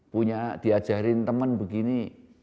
punya diajarin temen begini